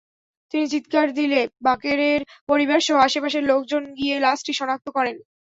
তিনি চিৎকার দিলে বাকেরের পরিবারসহ আশপাশের লোকজন গিয়ে লাশটি শনাক্ত করেন।